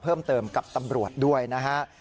เพิ่มเติมกับตำรวจด้วยนะฮะ